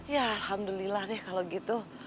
ya alhamdulillah deh kalau gitu